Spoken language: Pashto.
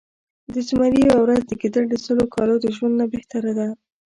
د زمري يؤه ورځ د ګیدړ د سلو کالو د ژؤند نه بهتره ده